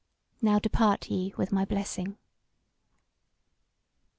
Now depart ye with my blessing."